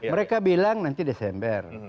mereka bilang nanti desember